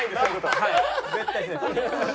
はい絶対。